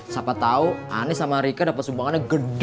siapa tahu anies sama rika dapat sumbangannya gede